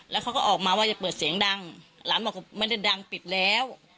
แล้วเขาก็ออกมาว่าจะเปิดเสียงดังหลานบอกไม่ได้ดังปิดแล้ว